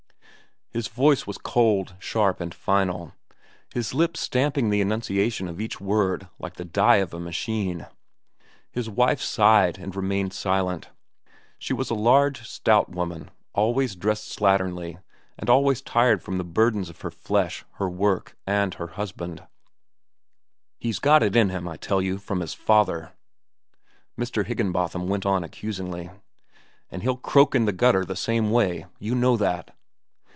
His voice was cold, sharp, and final, his lips stamping the enunciation of each word like the die of a machine. His wife sighed and remained silent. She was a large, stout woman, always dressed slatternly and always tired from the burdens of her flesh, her work, and her husband. "He's got it in him, I tell you, from his father," Mr. Higginbotham went on accusingly. "An' he'll croak in the gutter the same way. You know that."